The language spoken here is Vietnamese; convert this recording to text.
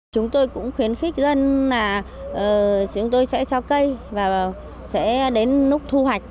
chúng tôi cũng khuyến khích dân là chúng tôi sẽ cho cây và sẽ đến lúc thu hoạch